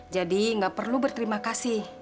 jadi gak perlu berterima kasih